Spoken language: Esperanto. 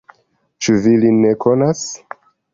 Ĉu vi lin ne konas?